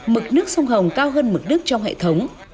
mực nước sông hồng cao hơn mực nước trong hệ thống